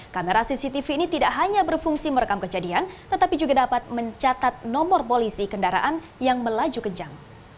kamera cctv ini tidak hanya berfungsi merekam kejadian tetapi juga dapat mencatat nomor polisi kendaraan yang melaju kencang